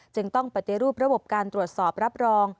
จึงต้องปฏิรูประบบการตรวจสอบรับรอง